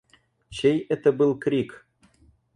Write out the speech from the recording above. Чей это был крик?